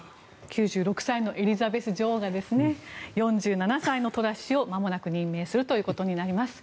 ９６歳のエリザベス女王が４７歳のトラス氏をまもなく任命するということになります。